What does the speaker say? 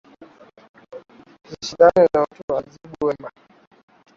Usishindane na mtu, wajibu kwa wema.